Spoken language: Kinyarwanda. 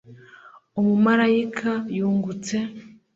umumarayika yungutse